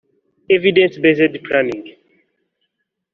evidence based planning